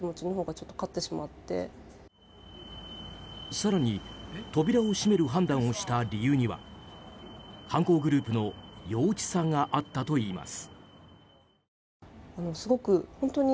更に扉を閉める判断をした理由には犯行グループの幼稚さがあったといいます。